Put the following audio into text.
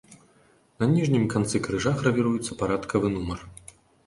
На ніжнім канцы крыжа гравіруецца парадкавы нумар.